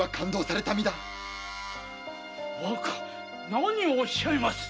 何をおっしゃいます！